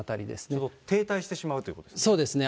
ちょっと停滞してしまうということですね。